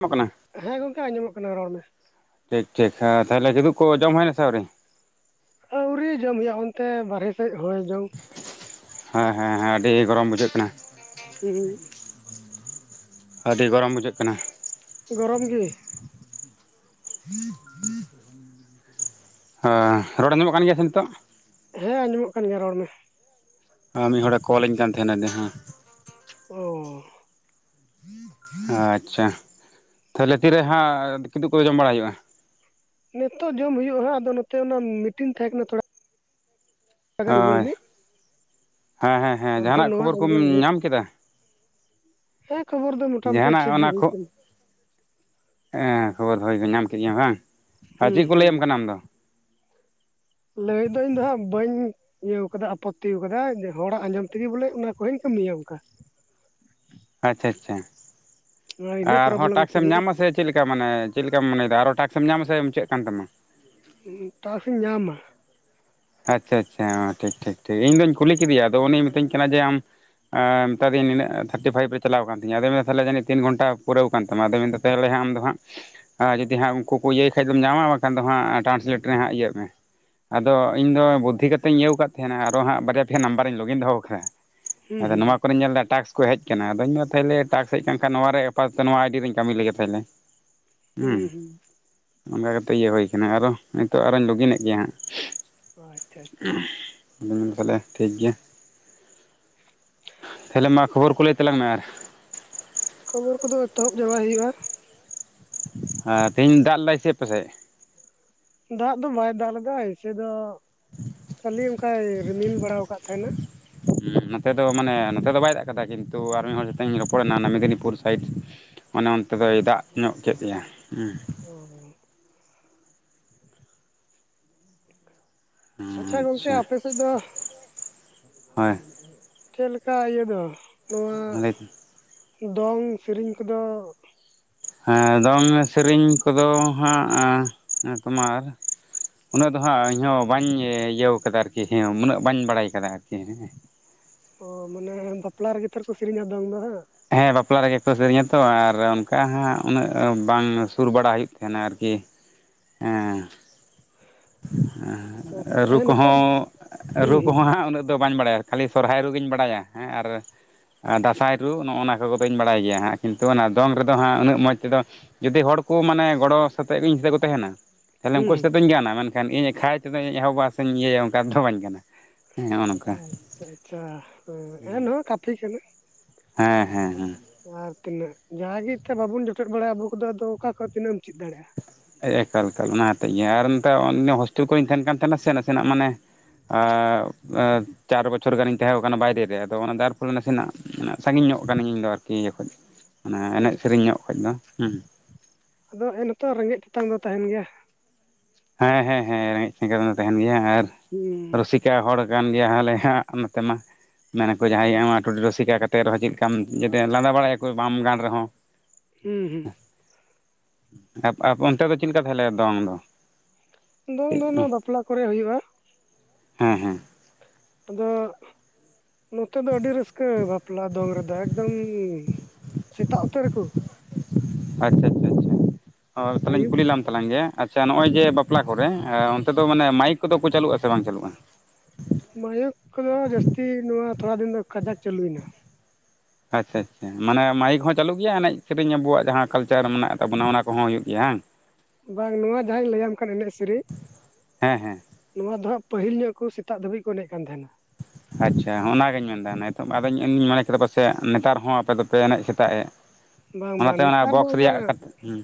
[unintelligible] ᱠᱟᱱᱟ ᱦᱮᱸ ᱜᱚᱝᱠᱮ ᱟᱸᱡᱚᱢᱚ ᱠᱟᱱᱟ ᱨᱚᱲ ᱢᱮ ᱴᱷᱤᱠ ᱴᱷᱤᱠ ᱛᱟᱦᱚᱞᱮ ᱠᱤᱫᱩᱵ ᱠᱚ ᱡᱚᱢ ᱦᱩᱭᱱᱟᱥᱮ ᱟᱣᱨᱤ? ᱟᱹᱣᱨᱤ ᱡᱚᱢ ᱦᱩᱭᱩᱜᱼᱟ ᱚᱱᱛᱮ ᱵᱟᱨᱦᱮ ᱥᱮᱫ ᱦᱚᱸᱭ ᱡᱚᱢᱼᱼ ᱦᱮᱸ ᱦᱮᱸ ᱦᱮᱸ ᱟᱹᱰᱤ ᱜᱚᱨᱚᱢ ᱵᱩᱡᱷᱟᱹᱜ ᱠᱟᱱᱟ᱾ ᱦᱩᱸᱸ ᱟᱹᱰᱤ ᱜᱚᱨᱚᱢ ᱵᱩᱡᱷᱟᱹᱜ ᱠᱟᱱᱟ᱾ ᱜᱚᱨᱚᱢ ᱜᱮ᱾ [unintelligible] ᱦᱮ ᱨᱚᱲ ᱟᱢᱚᱜ ᱠᱟᱱ ᱜᱮᱭᱟ ᱥᱮ ᱱᱤᱛᱚᱜ? ᱦᱮᱸ ᱟᱸᱡᱚᱢᱚᱜ ᱠᱟᱱ ᱜᱮᱭᱟ ᱨᱚᱲ ᱢᱮ ᱟ ᱢᱤᱫ ᱦᱚᱲᱮ ᱠᱚᱞᱤᱹᱧ ᱠᱟᱱ ᱛᱟᱦᱮᱱᱟ ᱱᱮᱦᱚ ᱚ ᱟᱪᱪᱷᱟ ᱛᱟᱦᱚᱞᱮ ᱛᱤᱨᱮ ᱦᱟᱸᱜ ᱠᱤᱫᱩᱜ ᱠᱚ ᱡᱚᱢ ᱵᱟᱲᱟᱭ ᱦᱩᱭᱩᱜᱼᱟ? ᱱᱤᱛᱳᱜ ᱡᱚᱢ ᱦᱩᱭᱩᱜᱟ ᱦᱟᱜ ᱟᱫᱚ ᱱᱚᱛᱮ ᱚᱱᱟ ᱢᱤᱴᱤᱝ ᱛᱟᱦᱮᱸ ᱠᱟᱱᱟ ᱛᱷᱚᱲᱟ [inaudible] ᱜᱩᱜᱩᱞ ᱦᱳᱭ ᱢᱤᱴ ᱦᱮᱸ ᱦᱮᱸ ᱦᱮᱸ ᱟᱫᱚ ᱡᱟᱦᱟᱱᱟᱜ ᱱᱚᱣᱟ ᱠᱷᱚᱵᱚᱨ ᱠᱚᱢ ᱟᱸᱡᱚᱢ ᱦᱩᱭᱩᱜ ᱧᱟᱢ ᱠᱮᱫᱟ? ᱦᱮᱸ ᱠᱷᱚᱵᱚᱨ ᱫᱚ ᱢᱚᱴᱟ ᱢᱩᱴᱤ ᱴᱷᱤᱠ ᱜᱮ ᱦᱩᱭ ᱟᱠᱟᱱᱟ ᱮ ᱠᱷᱚᱵᱚᱨ ᱦᱚᱭ ᱧᱟᱢ ᱠᱮᱫᱮᱭᱟᱢ ᱦᱟᱝ ᱟᱨ ᱦᱩᱸ ᱪᱮᱫ ᱠᱚ ᱦᱩᱸ ᱞᱮᱹᱭᱟᱢ ᱠᱟᱱᱟ ᱟᱢ ᱫᱚ? ᱞᱟᱹᱭ ᱫᱚ ᱤᱧᱫᱚ ᱦᱟᱸᱜ ᱵᱟᱹᱧ ᱤᱭᱟᱹ ᱠᱟᱫᱟ ᱟᱯᱚᱛᱛᱤ ᱠᱟᱫᱟ ᱡᱮ ᱦᱚᱲᱟᱜ ᱟᱸᱡᱚᱢ ᱛᱮᱜᱮ ᱵᱚᱞᱮ ᱚᱱᱟ ᱠᱚᱦᱚᱧ ᱠᱟᱹᱢᱤᱭᱟ ᱠᱟ ᱟᱪᱪᱷᱟ ᱟᱪᱪᱷᱟ ᱤᱱᱟᱹ ᱟᱨᱦᱚᱸ ᱯᱨᱚᱵᱞᱮᱢ ᱠᱚ ᱴᱟᱠᱥ ᱮᱢ ᱦᱩᱭᱩᱜᱼᱟ ᱧᱟᱢ ᱟ ᱥᱮ ᱪᱮᱫ ᱞᱮᱠᱟ ᱢᱟᱱᱮ ᱪᱮᱫ ᱞᱮᱠᱟᱢ ᱢᱚᱱᱮᱫᱟ ᱟᱨᱚ ᱴᱟᱠᱥ ᱮᱢ ᱧᱟᱢ ᱟᱥᱮ ᱢᱩᱪᱟᱹᱫ ᱠᱟᱱ ᱛᱟᱢᱟ [unintelligible] ᱴᱟᱥ ᱤᱧ ᱧᱟᱢᱟ ᱟᱪᱪᱷᱟ ᱟᱪᱪᱷᱟ ᱴᱷᱤᱠ ᱴᱷᱤᱠ ᱴᱷᱤᱠ ᱤᱧᱫᱩᱧ ᱠᱩᱞᱤ ᱠᱮᱫᱮᱭᱟ ᱟᱫᱚ ᱩᱱᱤᱭ ᱢᱤᱛᱟᱹᱧ ᱠᱟᱱᱟ ᱡᱮ ᱟᱢ ᱮ ᱢᱮᱛᱟᱹᱫᱤᱧᱟᱭ ᱱᱤᱱᱟᱹᱜ ᱛᱷᱟᱴᱴᱤ ᱯᱷᱟᱭᱤᱯ ᱨᱮ ᱪᱟᱣᱞᱟᱣ ᱟᱠᱟᱱ ᱛᱤᱧᱟ ᱟᱫᱚ ᱢᱮᱱ ᱮᱫᱟᱭ ᱛᱟᱦᱚᱞᱮ ᱡᱟᱹᱱᱤᱡ ᱛᱤᱱ ᱜᱷᱚᱱᱴᱟ ᱯᱩᱨᱟᱹᱣ ᱠᱟᱱ ᱛᱟᱢᱟ ᱟᱫᱚᱭ ᱢᱮᱱᱫᱟ ᱛᱟᱦᱚᱞᱮ ᱟᱢᱫᱚ ᱦᱟᱸᱜ ᱟᱨ ᱡᱩᱫᱤ ᱦᱟᱸᱜ ᱩᱱᱠᱩ ᱠᱚ ᱤᱭᱟᱹᱭ ᱠᱷᱟᱡ ᱫᱚᱢ ᱧᱟᱢᱟ ᱵᱟᱠᱷᱟᱱ ᱫᱚ ᱦᱟᱸᱜ ᱴᱨᱟᱱᱥᱞᱮᱴ ᱨᱮ ᱦᱟᱸᱜ ᱤᱭᱟᱹᱜ ᱢᱮ ᱟᱫᱚ ᱤᱧ ᱫᱚ ᱵᱩᱫᱽᱫᱷᱤ ᱠᱟᱛᱮᱧ ᱤᱭᱟᱹᱣ ᱟᱠᱟᱫ ᱛᱟᱦᱮᱱᱟ ᱟᱨᱚ ᱦᱟᱸᱜ ᱵᱟᱨᱭᱟ ᱯᱮᱭᱟ ᱱᱟᱢᱵᱟᱨᱤᱧ ᱞᱚᱜᱤᱱ ᱫᱚᱦᱚ ᱟᱠᱟᱫᱟ ᱦᱩᱸ ᱟᱫᱚ ᱦᱩᱸ ᱱᱚᱣᱟ ᱠᱚᱨᱮᱧ ᱧᱮᱞ ᱮᱫᱟ ᱴᱟᱠᱥ ᱠᱚ ᱦᱮᱡ ᱟᱠᱟᱱᱟ ᱟᱫᱚᱧ ᱢᱮᱱ ᱛᱟᱦᱚᱞᱮ ᱴᱟᱠᱥ ᱦᱮᱡ ᱟᱠᱟᱱ ᱠᱷᱟᱱ ᱱᱚᱣᱟᱨᱮ ᱟᱯᱟᱛᱚᱛᱚ ᱱᱚᱣᱟ ᱟᱭᱰᱤ ᱨᱮ ᱠᱟᱹᱢᱤ ᱞᱮᱜᱮ ᱛᱟᱦᱚᱞᱮ ᱦᱮᱸ ᱦᱩᱸ ᱦᱩᱸ ᱚᱱᱠᱟ ᱠᱟᱛᱮᱜ ᱤᱭᱟᱹ ᱦᱩᱭ ᱟᱠᱟᱱᱟ ᱟᱨ ᱱᱤᱛᱚᱜ ᱟᱨᱚᱧ ᱞᱚᱜᱤᱱᱮᱫ ᱜᱮᱭᱟ ᱦᱟᱸᱜ ᱦᱩᱸ ᱟᱪᱪᱷᱟ ᱟᱪᱪᱷᱟ [unintelligible] ᱟᱫᱟ ᱛᱟᱦᱚᱞᱮ ᱴᱷᱤᱠ ᱜᱮᱭᱟ ᱛᱟᱦᱚᱞᱮ ᱢᱟ ᱠᱷᱚᱵᱚᱨ ᱠᱚ ᱞᱟᱹᱭ ᱛᱟᱞᱟᱝ ᱢᱮ ᱟᱨ ᱠᱷᱚᱵᱚᱨ ᱠᱚᱫᱚ ᱮᱛᱚᱦᱚᱵ ᱪᱟᱵᱟᱭ ᱦᱩᱭᱩᱜᱼᱟ ᱦᱮᱸ ᱛᱮᱦᱮᱧ ᱫᱟᱜ ᱞᱮᱫᱟᱭ ᱥᱮ ᱮᱯᱮᱥᱮᱡ ᱫᱟᱜ ᱫᱚ ᱵᱟᱭ ᱫᱟᱜ ᱞᱮᱫᱟ ᱮᱭᱥᱮ ᱫᱚ ᱠᱷᱟᱹᱞᱤ ᱚᱱᱠᱟᱭ ᱨᱤᱢᱤᱞ ᱵᱟᱲᱟ ᱟᱠᱟᱫ ᱛᱟᱦᱮᱱᱟ [unintelligible] ᱦᱩ ᱱᱚᱛᱮ ᱫᱚ ᱢᱟᱱᱮ ᱱᱚᱛᱮ ᱫᱚ ᱵᱟᱭ ᱫᱟᱜ ᱠᱟᱫᱟ ᱠᱤᱱᱛᱩ ᱟᱨ ᱢᱤᱫ ᱦᱚᱲ ᱥᱚᱛᱮ ᱤᱧ ᱨᱚᱯᱚᱲᱮᱱᱟ ᱢᱮᱫᱽᱱᱤᱯᱩᱨ ᱥᱟᱭᱤᱰ ᱚᱱᱮ ᱚᱱᱛᱮ ᱫᱚᱭ ᱫᱟᱜ ᱧᱚᱜ ᱠᱮᱫ ᱜᱮᱭᱟ ᱦᱮᱸ ᱚ [unintelligible] ᱜᱚᱝᱠᱮ ᱟᱪᱪᱷᱟ ᱟᱯᱮ ᱥᱮᱫ ᱫᱚ ᱦᱳᱭ [unintelligible] ᱪᱮᱫ ᱞᱮᱠᱟ ᱤᱭᱟᱹ ᱫᱚ ᱱᱚᱣᱟ ᱫᱚᱝ ᱥᱮᱨᱮᱧ ᱠᱚᱫᱚ ᱦᱮᱸ ᱫᱚᱝ ᱥᱮᱨᱮᱧ ᱠᱚᱫᱚ ᱦᱟᱸᱜ ᱛᱳᱢᱟᱨ ᱩᱱᱟᱹᱜ ᱫᱚ ᱦᱟᱸᱜ ᱤᱧᱦᱚᱸ ᱵᱟᱹᱧ ᱤᱭᱟᱹᱣ ᱠᱟᱫᱟ ᱟᱨᱠᱤ ᱦᱮᱸ ᱩᱱᱟᱹᱜ ᱵᱟᱹᱧ ᱵᱟᱲᱟᱭ ᱠᱟᱫᱟ ᱟᱨᱠᱤ ᱦᱮᱸ ᱚ ᱢᱟᱱᱮ ᱵᱟᱯᱞᱟ ᱨᱮᱜᱮ ᱛᱷᱚᱨᱠᱚ ᱥᱮᱨᱮᱧᱟ ᱫᱚᱝ ᱫᱚᱦᱟᱸᱜ ᱦᱮᱸ ᱵᱟᱯᱞᱟ ᱨᱮᱜᱮ ᱠᱚ ᱥᱮᱨᱮᱧᱟ ᱛᱚ ᱟᱨ ᱚᱱᱠᱟ ᱦᱟᱸᱜ ᱩᱱᱟᱹᱜ ᱵᱟᱝ ᱥᱩᱨ ᱵᱟᱲᱟ ᱦᱩᱭᱩᱜ ᱛᱟᱦᱮᱱᱟ ᱟᱨᱠᱤ ᱦᱮ ᱦᱮ ᱟᱪᱪᱷᱟ ᱨᱩ ᱮᱱᱦᱚᱛᱚ ᱠᱚᱦᱚᱸ ᱦᱩᱸ ᱨᱩ ᱦᱩᱸ ᱠᱚᱦᱚᱸ ᱦᱟᱸᱜ ᱩᱱᱟᱹᱜ ᱫᱚ ᱵᱟᱹᱧ ᱵᱟᱲᱟᱭᱟ ᱠᱷᱟᱹᱞᱤ ᱥᱚᱨᱦᱟᱭ ᱨᱩᱜᱤᱧ ᱵᱟᱲᱟᱭᱟ ᱦᱮᱸ ᱟᱨ ᱫᱟᱸᱥᱟᱭ ᱨᱩ ᱱᱚᱜᱼᱱᱟ ᱠᱚᱫᱩᱧ ᱵᱟᱲᱟᱭ ᱜᱮᱭᱟ ᱦᱟᱸᱜ ᱠᱤᱱᱛᱩ ᱚᱱᱟ ᱫᱚᱝ ᱨᱮᱫᱚ ᱦᱟᱸᱜ ᱩᱱᱟᱹᱜ ᱢᱚᱡᱽ ᱛᱮᱫᱚ ᱡᱩᱚᱫᱤ ᱦᱚᱲ ᱠᱚ ᱢᱟᱱᱮ ᱜᱚᱲᱚ ᱥᱟᱛᱮᱜ ᱤᱧ ᱥᱟᱛᱮᱜ ᱠᱚ ᱛᱟᱦᱮᱱᱟ ᱛᱟᱦᱞᱮ ᱩᱱᱠᱩ ᱦᱩᱸ ᱥᱟᱛᱮᱜ ᱫᱚᱧ ᱜᱟᱱᱟ ᱢᱮᱱᱠᱷᱟᱱ ᱤᱧ ᱮᱠᱷᱟᱭ ᱛᱮᱫᱚ ᱤᱧ ᱮᱦᱚᱵᱟ ᱥᱮᱧ ᱤᱭᱟᱹᱭᱟ ᱚᱱᱠᱟ ᱫᱚ ᱵᱟᱹᱧ ᱜᱟᱱᱟ ᱦᱮᱸ ᱱᱚᱜᱼᱚ ᱱᱚᱝᱠᱟ ᱟᱪᱪᱷᱟ ᱟᱪᱪᱷᱟ ᱮᱱᱦᱚᱸ ᱠᱟᱛᱷᱤ ᱠᱟᱱᱟ ᱦᱮᱸ ᱦᱮᱸ ᱦᱩ ᱟᱨ ᱛᱤᱱᱟᱹᱜ ᱡᱟᱸᱦᱟ ᱜᱤ ᱛᱮᱫ ᱵᱟᱵᱚᱱ ᱡᱚᱴᱮᱫ ᱵᱟᱲᱟᱭᱟ ᱟᱵᱚ ᱠᱚᱫᱚ ᱟᱫᱚ ᱚᱠᱟ ᱠᱷᱚᱱ ᱟᱫᱚ ᱛᱤᱱᱟᱹᱜ ᱮᱢ ᱪᱮᱫ ᱫᱟᱲᱮᱭᱟᱜᱼᱟ ᱮᱠᱟᱞ ᱮᱠᱟᱞ ᱚᱱᱟ ᱟᱛᱮᱫ ᱜᱮ ᱟᱨ ᱱᱤᱛᱳᱜ ᱦᱳᱥᱴᱮᱞ ᱠᱚᱨᱮᱧ ᱛᱟᱦᱮᱱ ᱠᱟᱱ ᱛᱟᱦᱮᱱᱟ ᱥᱮ ᱱᱟᱥᱮᱱᱟᱜ ᱢᱟᱱᱮ ᱪᱟᱨ ᱵᱚᱪᱷᱚᱨ ᱜᱟᱱᱤᱧ ᱛᱟᱦᱮᱸ ᱠᱟᱱᱟ ᱵᱟᱭᱨᱮ ᱨᱮ ᱟᱫᱚ ᱚᱱᱟ ᱡᱟᱨ ᱯᱷᱚᱞᱮ ᱱᱟᱥᱮᱱᱟᱜ ᱢᱟᱱᱮ ᱥᱟᱺᱜᱤᱧ ᱧᱚᱜ ᱠᱟᱹᱱᱤᱧ ᱤᱧᱫᱚ ᱟᱨᱠᱤ ᱤᱭᱟᱹ ᱠᱷᱚᱡ ᱫᱚ ᱢᱟᱱᱮ ᱮᱱᱮᱡ ᱥᱮᱨᱮᱧ ᱧᱚᱜ ᱠᱷᱚᱱ ᱫᱚ ᱦᱚᱸ ᱟᱫᱚ ᱦᱮ ᱱᱤᱛᱚᱜ ᱨᱮᱸᱜᱮᱡ ᱛᱮᱛᱟᱝ ᱫᱚ ᱛᱟᱦᱮᱱ ᱜᱮᱭᱟ ᱦᱮᱸ ᱦᱮᱸ ᱦᱮᱸ ᱨᱮᱸᱜᱮᱡ ᱛᱮᱛᱟᱝ ᱫᱚ ᱛᱟᱦᱮᱱ ᱜᱮᱭᱟ ᱟᱨ ᱦᱩᱸ ᱯᱮ ᱦᱚᱲ ᱜᱟᱱ ᱡᱟᱸᱦᱟ ᱞᱮᱠᱟ ᱱᱚᱛᱮ ᱢᱟ ᱢᱮᱱᱟᱠᱚᱸ ᱡᱟᱦᱟᱸᱭ ᱴᱩᱰᱩ ᱨᱩᱥᱤᱠᱟ ᱠᱟᱱᱟᱭ ᱛᱮ ᱨᱮᱸᱦᱚ ᱪᱮᱫ ᱠᱟᱢ ᱡᱟᱛᱮ ᱞᱟᱸᱫᱟ ᱵᱟᱲᱟᱭᱟᱠᱚ ᱵᱟᱢ ᱜᱟᱱ ᱨᱮᱸᱦᱚ ᱦᱩᱸ ᱦᱩᱸ ᱛᱟ ᱯᱚᱨᱮ ᱚᱱᱛᱮ ᱫᱚ ᱪᱮᱫ ᱞᱮᱠᱟ ᱛᱟᱦᱮᱞᱮ ᱫᱚᱝ ᱫᱚ ᱫᱚᱝ ᱠᱟᱹᱡ ᱫᱚ ᱱᱚᱣᱟ ᱵᱟᱯᱞᱟ ᱠᱚᱨᱮ ᱦᱩᱭᱩᱜᱼᱟ ᱦᱮᱸ ᱦᱮᱸ ᱟᱫᱚ ᱱᱚᱛᱮ ᱫᱚ ᱟᱹᱰᱤ ᱨᱟᱹᱥᱠᱟᱹ ᱵᱟᱯᱞᱟ ᱫᱚᱝ ᱨᱮᱫᱚ ᱮᱠᱫᱚᱢ ᱥᱮᱛᱟᱜ ᱩᱛᱟᱹᱨᱟᱠᱩ ᱟᱪᱪᱷᱟ ᱟᱪᱪᱷᱟ ᱟᱪᱪᱷᱟ ᱚ ᱛᱟᱦᱚᱞᱮᱧ ᱟᱹᱭᱩᱵ ᱠᱩᱞᱤᱞᱮᱢ ᱛᱟᱞᱟᱝ ᱜᱮ [unintelligible] ᱟᱪᱪᱷᱟ ᱱᱚᱜᱼᱚᱭ ᱡᱮ ᱵᱟᱯᱞᱟ ᱠᱚᱨᱮ ᱚᱱᱛᱮ ᱫᱚ ᱢᱟᱱᱮ ᱢᱟᱭᱤᱠ ᱠᱚᱫᱚ ᱠᱚ ᱪᱟᱹᱞᱩᱜᱼᱟ ᱥᱮ ᱵᱟᱝ ᱪᱟᱹᱞᱩᱜᱼᱟ? ᱢᱟᱭᱤᱠ ᱠᱚᱫᱚ ᱡᱟᱹᱥᱛᱤ ᱱᱚᱣᱟ ᱛᱷᱚᱲᱟ ᱫᱤᱱ ᱫᱚ ᱠᱟᱡᱟᱠ ᱪᱟᱹᱞᱩᱭᱮᱱᱟ ᱟᱪᱪᱷᱟ ᱟᱪᱪᱷᱟ ᱢᱟᱱᱮ ᱢᱟᱭᱤᱠ ᱦᱚᱸ ᱪᱟᱞᱩᱜ ᱜᱮᱭᱟ ᱮᱱᱮᱡ ᱥᱮᱨᱮᱧ ᱟᱵᱚᱣᱟᱜ ᱡᱟᱦᱟᱸ ᱠᱟᱞᱪᱟᱨ ᱢᱮᱱᱟᱜ ᱛᱟᱵᱚᱱᱟ ᱚᱱᱟ ᱠᱚᱦᱚᱸ ᱦᱩᱭᱩᱜ ᱜᱮᱭᱟ ᱦᱟᱝ [inaudible] ᱵᱟᱝ ᱱᱚᱣᱟ ᱡᱟᱦᱟᱸᱧ ᱞᱟᱹᱭᱟᱢ ᱠᱟᱱ ᱮᱱᱮᱡ ᱥᱮᱨᱮᱧ ᱦᱮᱸ ᱦᱮᱸ ᱱᱚᱣᱟ ᱫᱚ ᱦᱟᱸᱜ ᱯᱟᱹᱦᱤᱞ ᱧᱚᱜ ᱠᱚ ᱥᱮᱛᱟᱜ ᱫᱷᱟᱹᱵᱤᱡ ᱠᱚ ᱮᱱᱮᱡ ᱠᱟᱱ ᱛᱟᱦᱮᱱᱟ ᱟᱪᱪᱷᱟ ᱚᱱᱟᱜᱤᱧ ᱢᱮᱱᱮᱫᱟ ᱱᱤᱛᱚᱜ ᱟᱫᱚᱧ ᱤᱧ ᱢᱚᱱᱮ ᱠᱮᱫᱟ ᱯᱟᱥᱮᱡ ᱱᱮᱛᱟᱨ ᱦᱚᱸ ᱟᱯᱮ ᱫᱚᱯᱮ ᱮᱱᱮᱡ ᱥᱮᱛᱟᱜ ᱮᱫ ᱵᱟᱝ ᱵᱟᱝ ᱚᱱᱟᱛᱮ ᱚᱱᱟ ᱱᱮᱛᱟᱨ ᱫᱚ ᱵᱚᱠᱥ ᱨᱮᱭᱟᱜ [unintelligible] ᱦᱩᱸ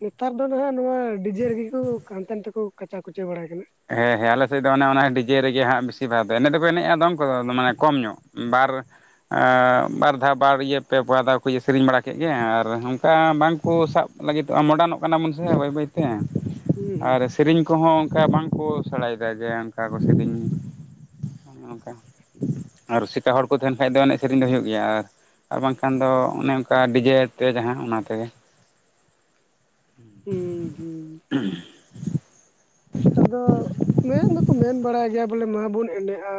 ᱱᱮᱛᱟᱨ ᱫᱚ ᱱᱟᱦᱟᱜ ᱱᱚᱣᱟ ᱰᱤᱡᱮ ᱨᱮᱜᱤ ᱠᱩ ᱦᱟᱱᱛᱮ ᱱᱟᱛᱮ ᱠᱩ ᱠᱟᱪᱟ ᱠᱩᱪᱟᱹ ᱵᱟᱲᱟᱭ ᱠᱟᱱᱟ ᱦᱮᱸ ᱦᱮᱸ ᱟᱞᱮᱥᱮᱫ ᱫᱚ ᱚᱱᱮ ᱚᱱᱟ ᱰᱤᱡᱮ ᱨᱮᱜᱮ ᱦᱟᱸᱜ ᱵᱤᱥᱤᱨ ᱵᱷᱟᱜ ᱫᱚ ᱮᱱᱮᱡ ᱫᱚᱠᱚ ᱮᱱᱮᱡᱼᱟ ᱫᱚᱝ ᱠᱚᱫᱚ ᱟᱫᱚ ᱢᱟᱱᱮ ᱠᱚᱢ ᱧᱚᱜ ᱵᱟᱨ ᱟ ᱵᱟᱨ ᱫᱷᱟᱣ ᱵᱟᱨ ᱤᱭᱟᱹ ᱯᱮ ᱯᱩᱣᱟ ᱫᱷᱟᱣ ᱠᱚ ᱥᱮᱨᱮᱧ ᱵᱟᱲᱟ ᱠᱮᱫ ᱜᱮ ᱟᱨ ᱚᱱᱠᱟ ᱵᱟᱝᱠᱚ ᱥᱟᱵ ᱞᱟᱹᱜᱤᱫᱚᱜᱼᱟ ᱢᱚᱰᱟᱱᱚᱜ ᱠᱟᱱᱟ ᱵᱚᱱ ᱥᱮ ᱵᱟᱹᱭ ᱵᱟᱹᱭᱛᱮ ᱦᱩᱸ ᱟᱨ ᱥᱮᱨᱮᱧ ᱠᱚᱦᱚᱸ ᱚᱱᱠᱟ ᱵᱟᱝ ᱵᱟᱠᱚ ᱥᱮᱬᱟᱭᱮᱫᱟ ᱡᱮ ᱚᱱᱠᱟ ᱠᱚ ᱥᱮᱨᱮᱧ ᱢᱟ ᱚᱱᱠᱟ ᱟᱨ ᱨᱩᱥᱤᱠᱟ ᱦᱚᱲ ᱠᱚ ᱛᱟᱦᱮᱱ ᱠᱷᱟᱡ ᱫᱚ ᱮᱱᱮᱡ ᱥᱮᱨᱮᱧ ᱫᱚ ᱦᱩᱭᱩᱜ ᱜᱮᱭᱟ ᱟᱨ ᱵᱟᱝᱠᱷᱟᱱ ᱫᱚ ᱚᱱᱮ ᱚᱱᱠᱟ ᱰᱤᱡᱮ ᱛᱮ ᱡᱟᱦᱟᱸ ᱚᱱᱟ ᱛᱮᱜᱮ ᱦᱩᱸ ᱦᱩᱸ ᱦᱩᱸ [unintelligible] ᱟᱫᱚ ᱢᱮᱱ ᱫᱚᱠᱚ ᱢᱮᱱ ᱵᱟᱲᱟᱭ ᱜᱮᱭᱟ ᱵᱚᱞᱮ ᱢᱟᱵᱚᱱ ᱮᱱᱮᱡᱼᱟ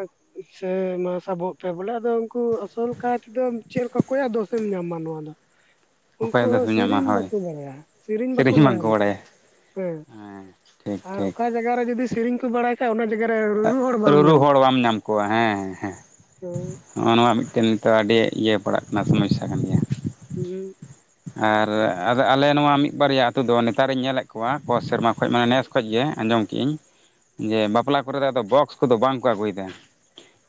ᱥᱮ ᱢᱟ ᱥᱟᱵᱚᱜ ᱯᱮ ᱵᱚᱞᱮ ᱟᱫᱚ ᱩᱱᱠᱩ ᱟᱥᱚᱞ ᱠᱟᱭ ᱛᱮᱫᱚ ᱪᱮᱫ ᱞᱮᱠᱟ ᱚᱠᱚᱭᱟᱜ ᱫᱳᱥ ᱮᱢ ᱧᱟᱢᱟ ᱱᱚᱣᱟ ᱫᱚ? [inaudible] ᱩᱱᱠᱩ ᱦᱚᱸ ᱮᱢ ᱧᱟᱢᱟ ᱥᱤᱨᱤᱧ ᱦᱳᱭ ᱵᱟᱠᱚ ᱵᱟᱲᱟᱭᱟ ᱥᱤᱨᱤᱧ ᱵᱟᱠᱚ ᱥᱮᱨᱮᱧ ᱵᱟᱲᱟᱭᱟ ᱵᱟᱝᱠᱚ ᱱᱤᱛᱚᱜ ᱦᱮᱸ ᱴᱷᱤᱠ ᱟᱨ ᱴᱷᱤᱠ ᱚᱠᱟ ᱡᱟᱭᱜᱟ ᱨᱮ ᱡᱩᱫᱤ ᱥᱤᱨᱤᱧ ᱠᱚ ᱵᱟᱲᱟᱭ ᱠᱷᱟᱡ ᱚᱱᱟ ᱡᱟᱭᱜᱟ ᱨᱮ ᱨᱩᱨᱩ ᱦᱚᱲ ᱵᱟᱢ ᱨᱩᱨᱩ ᱧᱟᱢᱮᱭᱟ ᱦᱚᱲ ᱵᱟᱢ ᱧᱟᱢ ᱠᱚᱣᱟ ᱦᱮᱸ ᱦᱮᱸ ᱦᱮᱸ ᱦᱩᱸ ᱱᱚᱜᱼᱚ ᱱᱚᱣᱟ ᱢᱤᱫᱴᱮᱱ ᱱᱤᱛᱚᱜ ᱟᱹᱰᱤ ᱤᱭᱟᱹ ᱯᱟᱲᱟᱜ ᱠᱟᱱᱟ ᱥᱚᱢᱚᱥᱥᱟ ᱠᱟᱱ ᱜᱮᱭᱟ ᱦᱩᱸ ᱟᱨ ᱟᱨ ᱟᱞᱮ ᱱᱚᱣᱟ ᱢᱤᱫ ᱵᱟᱨᱭᱟ ᱟᱹᱛᱩ ᱫᱚ ᱱᱮᱛᱟᱨᱤᱧ ᱧᱮᱞᱮᱫ ᱠᱚᱣᱟ ᱥᱮᱨᱢᱟ ᱠᱷᱚᱱ ᱢᱟᱱᱮ ᱱᱮᱥ ᱠᱷᱚᱡ ᱜᱮ ᱟᱸᱡᱚᱢ ᱠᱮ ᱟᱹᱧ ᱡᱮ ᱵᱟᱯᱞᱟ ᱠᱚᱨᱮ ᱫᱚ ᱟᱫᱚ ᱵᱚᱠᱥ ᱠᱚᱫᱚ ᱵᱟᱝ ᱠᱚ ᱟᱹᱜᱩᱭᱮᱫᱟ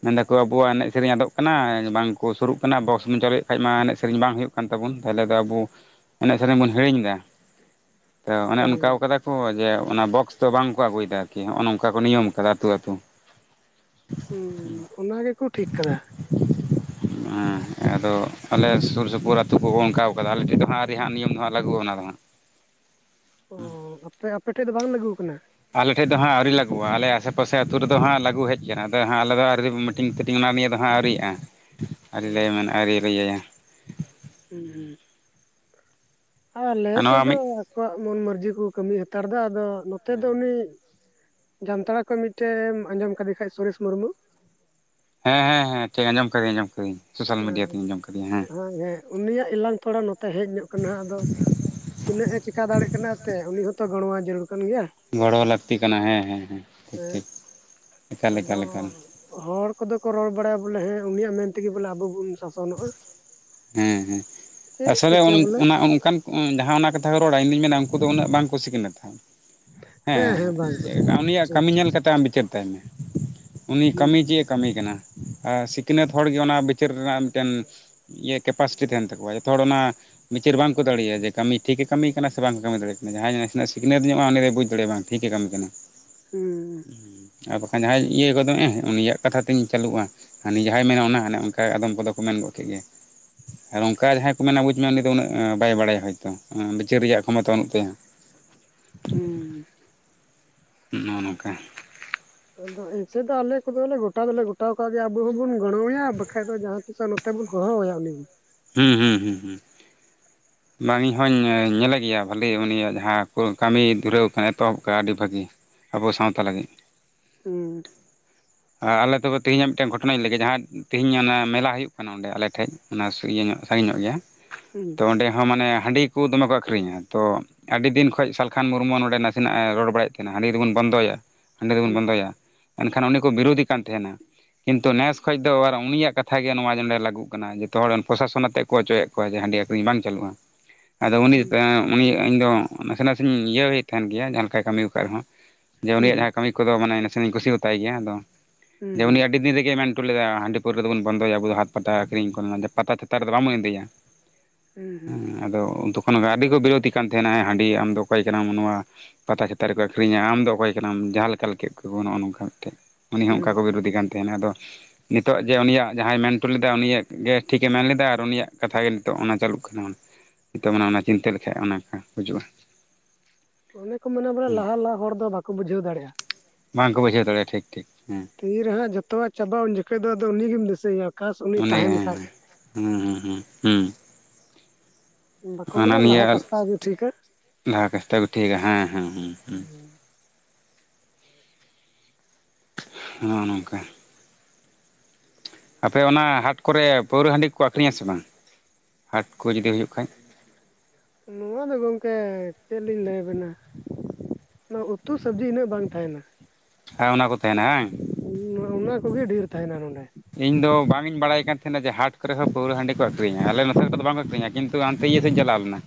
ᱢᱮᱱᱮᱫᱟᱠᱚ ᱟᱵᱚᱣᱟᱜ ᱮᱱᱮᱡ ᱥᱮᱨᱮᱧ ᱟᱫᱚᱜ ᱠᱟᱱᱟ ᱵᱟᱝᱠᱚ ᱥᱩᱨᱩᱜ ᱠᱟᱱᱟ ᱵᱚᱠᱥ ᱵᱚᱱ ᱪᱟᱹᱞᱩᱭᱮᱫ ᱠᱷᱟᱡ ᱢᱟ ᱮᱱᱮᱡ ᱥᱮᱨᱮᱧ ᱵᱟᱝ ᱦᱩᱭᱩᱜ ᱠᱟᱱᱟ ᱠᱟᱱ ᱛᱟᱵᱚᱱ ᱛᱟᱦᱚᱞᱮ ᱫᱚ ᱟᱵᱚ ᱮᱱᱮᱡ ᱥᱮᱨᱮᱧ ᱵᱚᱱ ᱦᱤᱲᱤᱧ ᱮᱫᱟ ᱛᱚ ᱚᱱᱮ ᱚᱱᱠᱟᱣ ᱠᱟᱫᱟ ᱦᱚᱸ ᱡᱮ ᱚᱱᱟ ᱵᱚᱠᱥ ᱫᱚ ᱵᱟᱝ ᱠᱚ ᱟᱹᱜᱩᱭᱮᱫᱟ ᱟᱨᱠᱤ ᱦᱚᱸ ᱚ ᱱᱚᱝᱠᱟ ᱠᱚ ᱱᱤᱭᱚᱢ ᱟᱠᱟᱫᱟ ᱟᱹᱛᱩ ᱟᱹᱛᱩ ᱦᱩᱸ ᱚᱱᱟ ᱜᱮᱠᱚ ᱴᱷᱤᱠ ᱠᱟᱫᱟ ᱦᱮ ᱟᱫᱚ ᱟᱞᱮ ᱥᱩᱨ ᱥᱩᱯᱩᱨ ᱟᱹᱛᱩ ᱠᱩ ᱠᱩ ᱚᱱᱠᱟ ᱟᱫᱚ ᱟᱞᱮ ᱴᱷᱮᱱ ᱫᱚᱦᱟᱸᱜ ᱟᱹᱣᱨᱤ ᱫᱚᱦᱟᱜ ᱱᱚᱣᱟᱹᱢ ᱫᱚᱦᱟᱜ ᱞᱟᱹᱜᱩ ᱟ ᱚᱱᱟᱫᱚ ᱦᱟᱜ ᱚᱻ ᱟᱯᱮ ᱟᱯᱮᱴᱷᱮᱡ ᱫᱚ ᱵᱟᱝ ᱞᱟᱹᱜᱩ ᱟᱠᱟᱱᱟ ᱟᱞᱮ ᱴᱷᱮᱜ ᱫᱚ ᱦᱟᱜ ᱟᱹᱣᱨᱤ ᱞᱟᱹᱜᱩᱜ-ᱟ ᱟᱞᱮ ᱟᱥᱮ ᱯᱟᱥᱮ ᱟᱹᱛᱩ ᱨᱮᱫᱚ ᱦᱟᱸᱜ ᱞᱟᱹᱜᱩ ᱦᱮᱡ ᱠᱟᱱᱟ ᱟᱫᱚ ᱦᱟᱸᱜ ᱟᱞᱮ ᱫᱚ ᱢᱤᱴ ᱴᱤᱝ ᱛᱷᱮᱴᱤᱝ ᱚᱱᱟ ᱱᱤᱭᱟᱹ ᱫᱚ ᱦᱟᱸᱜ ᱟᱹᱣᱨᱤᱭᱟᱜ-ᱟ ᱚ ᱟᱹᱣᱨᱤᱞᱮ ᱢᱮᱱ ᱟᱨ ᱟᱣᱨᱤᱞᱮ ᱤᱭᱟᱭᱟ ᱦᱩᱸ ᱟᱞᱮ ᱟᱨ ᱥᱮᱜ ᱱᱚᱣᱟ ᱫᱚ ᱢᱤᱫ ᱟᱠᱚᱣᱟᱜ ᱢᱚᱱ ᱢᱟᱨᱡᱤ ᱠᱚ ᱠᱟᱹᱢᱤ ᱦᱟᱛᱟᱲ ᱫᱟ ᱟᱫᱚ ᱱᱚᱛᱮ ᱫᱚ ᱩᱱᱤ ᱡᱟᱢᱛᱟᱲᱟ ᱠᱷᱚᱡ ᱢᱤᱫᱴᱮᱢ ᱟᱸᱡᱚᱢ ᱠᱟᱫᱮ ᱠᱷᱟᱡ ᱥᱩᱨᱮᱥ ᱢᱩᱨᱢᱩ ᱦᱮᱸ ᱦᱮᱸ ᱦᱮᱸ ᱴᱷᱤᱠ ᱟᱸᱡᱚᱢ ᱠᱟᱹᱫᱤᱭᱟᱹᱧ ᱟᱡᱚᱢ ᱠᱟᱹᱫᱤᱭᱟᱹᱧ ᱥᱚᱥᱟᱞ ᱢᱤᱰᱤᱭᱟ ᱛᱤᱧ ᱟᱸᱡᱚᱢ ᱠᱟᱫᱮᱭᱟ ᱦᱮᱸ ᱩᱱᱤᱭᱟᱜ ᱮᱞᱟᱝ ᱛᱷᱚᱲᱟ ᱱᱚᱛ ᱛᱮ ᱦᱮᱡ ᱧᱚᱜ ᱠᱟᱱᱟ ᱟᱫᱚ ᱤᱱᱟᱹ ᱦᱮ ᱪᱮᱠᱟ ᱫᱟᱲᱮᱜ ᱠᱟᱱᱟ ᱛᱮ ᱩᱱᱤ ᱦᱚᱸᱛᱚ ᱜᱚᱲᱚᱣᱟᱭ ᱡᱟᱹᱨᱩᱲ ᱠᱟᱱ ᱜᱮᱭᱟ ᱜᱚᱲᱚ ᱞᱟᱹᱠᱛᱤ ᱠᱟᱱᱟ ᱦᱮᱸ ᱦᱮᱸ ᱦᱮᱸ ᱦᱮ ᱴᱷᱤᱠ ᱮᱠᱟᱞ ᱮᱠᱟᱞ ᱮᱠᱟᱞ ᱟᱫᱚ ᱦᱚᱲ ᱠᱚᱫᱚ ᱠᱚ ᱨᱚᱲ ᱵᱟᱲᱟᱭᱟ ᱵᱚᱞᱮ ᱦᱮᱸ ᱩᱱᱤᱭᱟᱜ ᱢᱮᱱ ᱛᱮᱜᱮ ᱵᱚᱞᱮ ᱟᱵᱚ ᱵᱚᱱ ᱥᱟᱥᱚᱱᱚᱜ-ᱟ ᱦᱮᱸ ᱦᱮᱸ ᱟᱥᱚᱞᱮ ᱚᱱ ᱚᱱᱟ ᱚᱝᱠᱟᱱ ᱡᱟᱦᱟᱸ ᱚᱱᱟ ᱠᱟᱛᱷᱟ ᱠᱚ ᱨᱚᱲᱟ ᱤᱧᱫᱩᱧ ᱢᱮᱱᱟ ᱩᱱᱠᱩ ᱫᱚ ᱩᱱᱟᱹᱜ ᱵᱟᱝ ᱠᱚ ᱥᱤᱠᱷᱱᱟᱹᱛᱟ ᱦᱮᱸ ᱵᱟᱝ ᱠᱚ ᱥᱤᱠᱷᱱᱟᱹᱛᱟ ᱩᱱᱤᱭᱟᱜ ᱴᱷᱤᱠ ᱠᱟᱹᱢᱤ ᱴᱷᱤᱠ ᱧᱮᱞ ᱠᱟᱛᱮ ᱟᱢ ᱵᱤᱪᱟᱹᱨ ᱛᱟᱭ ᱢᱮ ᱩᱱᱤ ᱦᱩᱸ ᱠᱟᱹᱢᱤ ᱡᱮ ᱠᱟᱹᱢᱤ ᱠᱟᱱᱟ ᱟᱨ ᱥᱤᱠᱷᱱᱟᱹᱛ ᱦᱚᱲᱜᱮ ᱚᱱᱟ ᱵᱤᱪᱟᱹᱨ ᱨᱮᱱᱟᱜ ᱢᱤᱫᱴᱮᱱ ᱤᱭᱟᱹ ᱠᱮᱯᱟᱥᱤᱴᱤ ᱛᱟᱦᱮᱱ ᱛᱟᱠᱚᱣᱟ ᱡᱚᱛᱟ ᱦᱚᱲ ᱚᱱᱟ ᱢᱤᱪᱟᱹᱨ ᱵᱟᱝᱠᱚ ᱫᱟᱲᱮᱭᱟᱜᱼᱟ ᱡᱮ ᱠᱟᱹᱢᱤ ᱴᱷᱤᱜᱮ ᱠᱟᱹᱢᱤ ᱟᱠᱟᱱᱟ ᱥᱮ ᱵᱟᱝᱠᱚ ᱠᱟ. ᱢᱤᱫᱟᱲᱮᱭᱟᱜ ᱠᱟᱱᱟ ᱡᱟᱦᱟᱸᱭ ᱱᱟᱥᱮᱱᱟᱜ ᱥᱤᱠᱷᱱᱟᱹᱛ ᱧᱚᱜ-ᱟ ᱩᱱᱤᱫᱚᱭ ᱵᱩᱡᱽ ᱫᱟᱲᱮᱭᱟᱜ-ᱟ ᱵᱟᱝ ᱴᱷᱤᱠᱮ ᱠᱟᱹᱢᱤ ᱠᱟᱱᱟ ᱦᱩᱸ ᱟᱨ ᱵᱟᱠᱷᱟᱱ ᱡᱟᱦᱟᱸᱭ ᱤᱭᱟᱹ ᱜᱚᱫᱚ ᱮ ᱩᱱᱤᱭᱟᱜ ᱠᱟᱛᱷᱟ ᱛᱤᱧ ᱪᱟᱹᱞᱩᱜ-ᱟ᱾ ᱦᱟᱱᱤ ᱡᱟᱦᱟᱸᱭ ᱢᱮᱱᱟ ᱚᱱᱟ ᱦᱟᱱᱮ ᱚᱱᱠᱟ ᱟᱫᱚᱢ ᱠᱚᱫᱚ ᱠᱚ ᱢᱮᱱ ᱜᱚᱫ ᱠᱮᱫ ᱜᱮ ᱟᱨ ᱚᱝᱠᱟ ᱡᱟᱦᱟᱸᱭ ᱠᱚ ᱢᱮᱱᱟ ᱵᱩᱡᱽ ᱢᱮ ᱩᱱᱤ ᱫᱚ ᱩᱱᱟᱹᱜ ᱵᱟᱭ ᱵᱟᱲᱟᱭᱟ ᱦᱚᱭᱛᱚ ᱵᱤᱪᱟᱹᱨ ᱨᱮᱭᱟᱜ ᱠᱷᱚᱢᱚᱛᱟ ᱵᱟᱹᱱᱩᱜ ᱛᱟᱭᱟ᱾ ᱦᱩᱸ ᱱᱚᱜ-ᱚ ᱱᱚᱝᱠᱟ ᱟᱫᱚ ᱟᱭᱮᱮ ᱫᱚ ᱟᱞᱮ ᱠᱚᱫᱚᱞᱮ ᱜᱚᱴᱟ ᱫᱚᱞᱮ ᱜᱚᱴᱟ ᱣᱟᱠᱟᱜ ᱜᱮᱭᱟ ᱟᱵᱚ ᱦᱚᱸᱵᱚᱱ ᱜᱚᱲᱚᱣᱟᱭᱟ ᱵᱟᱠᱷᱟᱡ ᱫᱚ ᱡᱟᱦᱟᱸ ᱛᱤᱥᱚᱜ ᱱᱚ ᱛᱮ ᱵᱚᱱ ᱦᱚᱦᱚ ᱣᱟᱭᱟ ᱩᱱᱤ ᱜᱤ ᱦᱩᱸ ᱦᱩᱸ ᱦᱩᱸ ᱦᱩᱸ ᱵᱟᱝ ᱤᱧ ᱦᱚᱧ ᱧᱮᱞᱮᱜ ᱜᱮᱭᱟ ᱵᱷᱟᱹᱞᱤ ᱩᱱᱤᱭᱟᱜ ᱡᱟᱦᱟᱸ ᱠᱚ ᱠᱟᱹᱢᱤ ᱫᱷᱩᱨᱟᱹᱣ ᱟᱠᱟᱱᱟ ᱮᱛᱚᱦᱚᱵ ᱠᱟᱜ ᱟᱹᱰᱤ ᱵᱷᱟᱹᱜᱤ ᱟᱵᱚ ᱥᱟᱶᱛᱟ ᱞᱟᱹᱜᱤᱫ ᱦᱩᱸ ᱟ ᱟᱞᱮ ᱛᱚᱵᱮ ᱛᱮᱦᱤᱧᱟᱜ ᱢᱤᱫᱴᱮᱱ ᱜᱷᱚᱴᱚᱱᱟᱧ ᱞᱮᱜᱮ ᱡᱟᱦᱟᱸ ᱛᱮᱦᱤᱧ ᱚᱱᱟ ᱢᱮᱞᱟ ᱦᱩᱭᱩᱜ ᱠᱟᱱᱟ ᱚᱸᱰᱮ ᱟᱞᱮ ᱴᱷᱮᱡ ᱚᱱᱟ ᱤᱭᱟᱹ ᱧᱚᱜ ᱥᱟᱺᱜᱤᱧ ᱧᱚᱜ ᱜᱮᱭᱟ ᱦᱩᱸ ᱛᱚ ᱚᱸᱰᱮ ᱦᱚᱸ ᱢᱟᱱᱮ ᱦᱟᱺᱰᱤ ᱠᱚ ᱫᱚᱢᱮ ᱠᱚ ᱟᱹᱠᱷᱨᱤᱧᱟ ᱛᱚ ᱟᱹᱰᱤ ᱫᱤᱱ ᱠᱷᱚᱡ ᱥᱟᱞᱠᱷᱟᱱ ᱢᱩᱨᱢᱩ ᱱᱚᱰᱮ ᱱᱟᱥᱮᱱᱟᱜ-ᱮ ᱨᱚᱲ ᱵᱟᱲᱟᱭᱮᱫ ᱠᱟᱱᱟ ᱦᱟᱺᱰᱤ ᱫᱚᱵᱚᱱ ᱵᱚᱱᱫᱚᱭᱟ ᱦᱟᱺᱰᱤ ᱫᱚᱵᱚᱱ ᱦᱩᱸ ᱵᱚᱱᱫᱚᱭᱟ ᱮᱱᱠᱷᱟᱱ ᱩᱱᱤ ᱠᱚ ᱵᱤᱨᱳᱫᱮ ᱠᱟᱱ ᱛᱟᱦᱮᱱᱟ ᱠᱤᱱᱛᱩ ᱱᱮᱥ ᱠᱷᱚᱡ ᱫᱚ ᱟᱨ ᱩᱱᱤᱭᱟᱜ ᱠᱟᱛᱷᱟ ᱜᱮ ᱱᱚᱣᱟ ᱱᱚᱰᱮ ᱞᱟᱹᱜᱩᱜ ᱠᱟᱱᱟ ᱡᱚᱛᱚ ᱦᱚᱲ ᱯᱨᱚᱥᱟᱥᱚᱱ ᱟᱛᱮᱜ ᱠᱚ ᱚᱪᱚᱭᱮᱜ ᱠᱚᱣᱟ ᱡᱮ ᱦᱟᱺᱰᱤ ᱟᱹᱠᱷᱨᱤᱧ ᱵᱟᱝ ᱪᱟᱹᱞᱩᱜ-ᱟ ᱟᱫᱚ ᱩᱱᱤ [unintelligible] ᱩᱱᱤ ᱤᱧ ᱫᱚ ᱱᱟᱥᱮ ᱱᱟᱥᱮᱧ ᱤᱭᱟᱹᱭᱮᱫ ᱛᱟᱦᱮᱱ ᱜᱮᱭᱟ ᱡᱟᱦᱟᱸ ᱞᱮᱠᱟᱭ ᱠᱟᱹᱢᱤ ᱣᱠᱟᱜ ᱨᱮᱦᱚᱸ ᱡᱮ ᱦᱩᱸ ᱩᱱᱤᱭᱟᱜ ᱡᱟᱦᱟᱸ ᱠᱟᱹᱢᱤ ᱠᱚᱫᱚ ᱢᱟᱱᱮ ᱱᱟᱥᱮᱱᱟᱜ ᱤᱧ ᱠᱩᱥᱤ ᱣᱟᱛᱟᱭ ᱜᱮᱭᱟ ᱟᱫᱚ ᱦᱩᱸ ᱡᱮ ᱩᱱᱤ ᱦᱩᱸ ᱟᱹᱰᱤ ᱫᱤᱱ ᱨᱮᱜᱮ ᱢᱮᱱ ᱴᱩ ᱞᱮᱫᱟᱭ ᱦᱟᱺᱰᱤ ᱯᱟᱹᱣᱨᱟᱹ ᱫᱚᱵᱚᱱ ᱵᱚᱱᱫᱚᱭᱟ ᱟᱵᱚ ᱫᱚ ᱦᱟᱛ ᱯᱟᱛᱟ ᱟ. ᱠᱷᱨᱤᱧ ᱠᱚᱨᱮᱱᱟᱜ ᱡᱮ ᱯᱟᱛᱟ ᱪᱷᱟᱛᱟ ᱨᱮᱫᱚ ᱵᱟᱝᱵᱚᱱ ᱤᱫᱤᱭᱟ᱾ ᱦᱩᱸ ᱟᱫᱚ ᱩᱱ ᱛᱚᱠᱷᱚᱱ ᱜᱮ ᱟᱹᱰᱤ ᱠᱚ ᱵᱤᱨᱚᱫᱮ ᱠᱟᱱ ᱛᱟᱦᱮᱱᱟ ᱦᱮᱸ ᱦᱟᱺᱰᱤ ᱟᱢᱫᱚ ᱚᱠᱚᱭ ᱠᱟᱱᱟᱢ ᱱᱚᱶᱟ ᱯᱟᱛᱟ ᱪᱷᱟᱛᱟ ᱨᱮᱠᱚ ᱟᱹᱠᱷᱨᱤᱧᱟ ᱟᱢᱫᱚ ᱚᱠᱚᱭ ᱠᱟᱱᱟᱢ ᱡᱟᱦᱟᱸ ᱞᱮᱠᱟ ᱠᱮᱫ ᱠᱚ ᱱᱚᱜ-ᱚ ᱱᱚᱝᱠᱟ ᱢᱤᱫᱴᱮᱱ ᱩᱱᱤ ᱦᱚᱸ ᱦᱩᱸ ᱚᱝᱠᱟ ᱠᱚ ᱵᱤᱨᱚᱫᱷᱤ ᱠᱟᱱ ᱛᱟᱦᱮᱱᱟ ᱟᱫᱚ ᱱᱤᱛᱚᱜ ᱡᱮ ᱩᱱᱤᱭᱟᱜ ᱡᱟᱦᱟᱸᱭ ᱢᱮᱱᱴᱚ ᱞᱮᱫᱟ ᱩᱱᱤᱭᱟᱜ ᱜᱮ ᱴᱷᱤᱠᱮ ᱢᱮᱱ ᱞᱮᱫᱟ ᱟᱨ ᱩᱱᱤᱭᱟᱜ ᱠᱟᱛᱷᱟ ᱜᱮ ᱱᱤᱛᱚᱜ ᱚᱱᱟ ᱪᱟᱹᱞᱩᱜ [unintelligible] ᱱᱤᱛᱚᱜ ᱢᱟᱱᱮ ᱚᱱᱟ ᱪᱤᱱᱛᱟᱹ ᱞᱮᱠᱷᱟᱡ ᱚᱱᱟ ᱠᱚᱦᱚᱸ ᱦᱩᱡᱩᱜ-ᱟ ᱚᱱᱮ ᱠᱚ ᱢᱮᱱᱟ ᱵᱚᱞᱮ ᱞᱟᱦᱟ ᱞᱟᱦᱟ ᱦᱚᱲ ᱫᱚ ᱵᱟᱠᱚ ᱵᱩᱡᱷᱟᱹᱣ ᱫᱟᱲᱮᱭᱟ ᱵᱟᱝᱠᱚ ᱵᱩᱡᱷᱟᱹᱣ ᱫᱟᱲᱮ ᱴᱷᱤᱠ ᱴᱷᱤᱠ ᱦᱮᱸ ᱛᱤᱨᱮ ᱦᱟᱸᱜ ᱡᱚᱛᱚᱣᱟᱜ ᱪᱟᱵᱟᱜ-ᱟ ᱩᱱ ᱡᱚᱠᱷᱚᱡ ᱫᱚ ᱟᱫᱚ ᱩᱱᱤᱜᱮᱢ ᱫᱤᱥᱟᱹᱭᱮᱭᱟ ᱚᱱᱮ ᱦᱩᱸ ᱦᱩᱸ ᱦᱩᱸ ᱦᱩᱸ ᱵᱟᱠᱚ ᱦᱟᱱᱟ ᱢᱮᱱᱟ ᱞᱟᱦᱟ ᱱᱤᱭᱟᱹ ᱠᱟᱥᱛᱟᱣ ᱜᱮ ᱴᱷᱤᱠᱟ ᱞᱟᱦᱟ [unintelligible] ᱦᱮᱸ ᱦᱮᱸ ᱦᱩᱸ ᱦᱩᱸ ᱱᱚᱜ-ᱚ ᱱᱚᱝᱠᱟ ᱟᱯᱮ ᱚᱱᱟ ᱦᱟᱴ ᱠᱚᱨᱮ ᱯᱟᱹᱣᱨᱟᱹ ᱦᱟᱺᱰᱤ ᱠᱚ ᱟᱹᱠᱷᱨᱤᱧᱟ ᱥᱮ ᱵᱟᱝ ᱦᱟᱴ ᱠᱚ ᱡᱩᱫᱤ ᱦᱩᱭᱩᱜ ᱠᱷᱟᱡ ᱱᱚᱶᱟ ᱫᱚ ᱜᱚᱝᱠᱮ ᱪᱮᱫ ᱞᱤᱧ ᱞᱟᱹᱭ ᱟᱵᱮᱱᱟ᱾ ᱱᱟᱶᱟ ᱩᱛᱩ ᱥᱟᱵᱡᱤ ᱤᱱᱟᱹᱜ ᱵᱟᱝ ᱛᱟᱦᱮᱱᱟ᱾ ᱦᱮᱸ ᱚᱱᱟ ᱠᱚ ᱛᱟᱦᱮᱱᱟ ᱦᱟᱝ᱾ ᱚᱱᱟ ᱠᱚᱜᱮ ᱰᱷᱤᱨ ᱛᱟᱦᱮᱱᱟ ᱱᱚᱱᱰᱮ᱾ ᱤᱧ ᱫᱚ ᱵᱟᱝᱤᱧ ᱵᱟᱲᱟᱭ ᱠᱟᱱ ᱛᱟᱦᱮᱱᱟ ᱡᱮ ᱦᱟᱴ ᱠᱚᱨᱮ ᱦᱚᱸ ᱯᱟᱹᱣᱨᱟᱹ ᱦᱟᱺᱰᱤ ᱠᱚ ᱟ. ᱠᱷᱨᱤᱧᱟ ᱟᱞᱮ ᱱᱚᱛᱮ ᱨᱮ ᱫᱚ ᱵᱟᱝᱠᱚ᱾ ᱟ. ᱠᱷᱨᱤᱧᱟ ᱠᱤᱱᱛᱩ ᱦᱟᱱᱛᱮ ᱤᱭᱟᱹ ᱥᱮᱫᱤᱧ ᱪᱟᱞᱟᱣ ᱞᱮᱱᱟ᱾